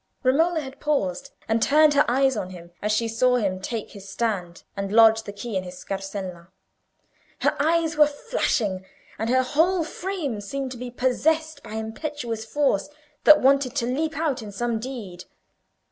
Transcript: Romola had paused and turned her eyes on him as she saw him take his stand and lodge the key in his scarsella. Her eyes were flashing, and her whole frame seemed to be possessed by impetuous force that wanted to leap out in some deed.